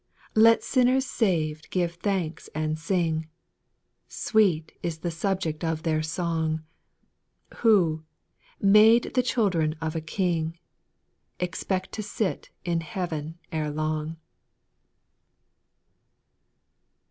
Let sinnerg gav'd give thanks and sing,— Sweet is the subject of their song, — Who, made the children of a King, Expect to sit in heav'n ere long.